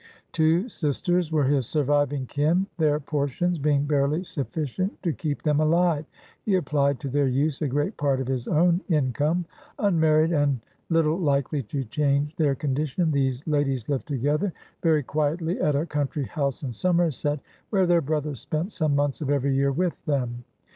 Two sisters were his surviving kin; their portions being barely sufficient to keep them alive, he applied to their use a great part of his own income; unmarried, and little likely to change their condition, these ladies lived together, very quietly, at a country house in Somerset, where their brother spent some months of every year with them.